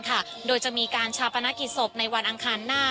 โดยจากนี้จะมีการชาปนาคิดศพในวันอังคารหน้านะคะ